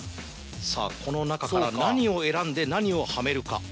さぁこの中から何を選んで何をはめるか。